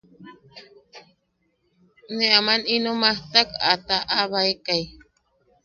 Ne aman ino majtak a taʼabaekai.